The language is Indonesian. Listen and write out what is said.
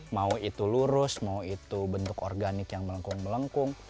mau itu lurus mau itu bentuk organik yang melengkung melengkung